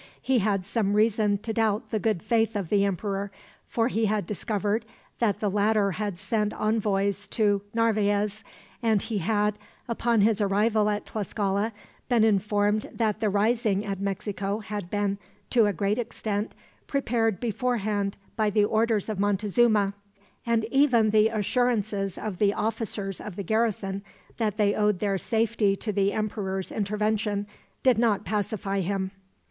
He had some reason to doubt the good faith of the emperor, for he had discovered that the latter had sent envoys to Narvaez; and he had, upon his arrival at Tlascala, been informed that the rising at Mexico had been, to a great extent, prepared beforehand by the orders of Montezuma; and even the assurances of the officers of the garrison, that they owed their safety to the emperor's intervention, did not pacify him.